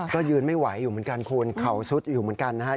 ก็ยืนไม่ไหวอยู่เหมือนกันคุณเข่าซุดอยู่เหมือนกันนะครับ